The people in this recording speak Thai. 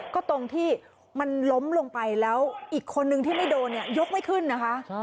ก็ตรงที่มันล้มลงไปแล้วอีกคนนึงที่ไม่โดนเนี่ยยกไม่ขึ้นนะคะ